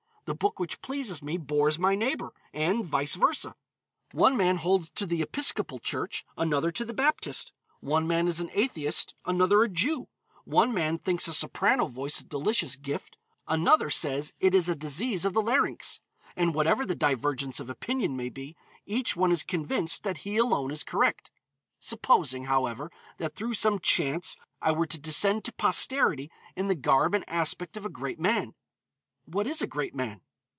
The book which pleases me bores my neighbor, and vice versâ. One man holds to the Episcopal Church, another to the Baptist; one man is an atheist, another a Jew; one man thinks a soprano voice a delicious gift, another says it is a disease of the larynx, and whatever the divergence of opinion may be, each one is convinced that he alone is correct. Supposing, however, that through some chance I were to descend to posterity in the garb and aspect of a great man. What is a great man?